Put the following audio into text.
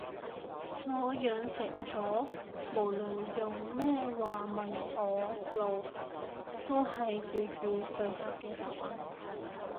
我養成咗無論用咩話問我路都係粵語對答嘅習慣